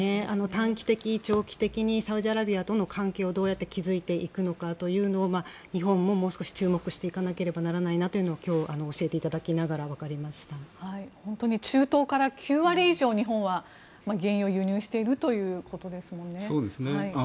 短期的、長期的にサウジアラビアとの関係をどうやって築いていくのか日本も注目していかなければならないなというのを今日、教えていただきながら中東から９割以上、日本は原油を輸入しているということですもんね。